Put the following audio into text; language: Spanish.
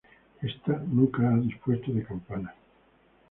Ésta nunca ha dispuesto de campanas.